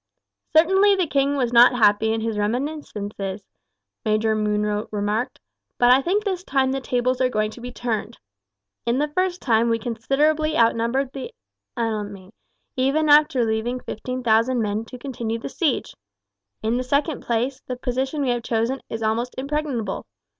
"Certainly the king was not happy with his reminiscences," Major Munro remarked; "but I think this time the tables are going to be turned. In the first place we considerably outnumbered the enemy, even after leaving 15,000 men to continue the siege. In the second place, the position we have chosen is almost impregnable.